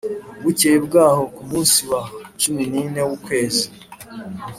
Bukeye bwaho ku munsi wa cumi n ine w ukwezi